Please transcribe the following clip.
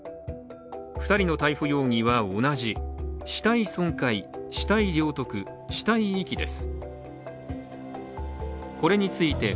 ２人の逮捕容疑は同じ死体損壊死体領得、死体遺棄です。